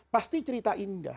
pasti cerita indah